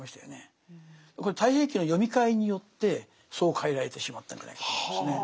これ「太平記」の読み替えによってそう変えられてしまったんじゃないかと思いますね。